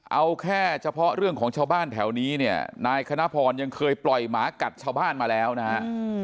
เอาแค่เฉพาะเรื่องของชาวบ้านแถวนี้เนี่ยนายคณะพรยังเคยปล่อยหมากัดชาวบ้านมาแล้วนะฮะ